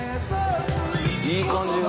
いい感じの。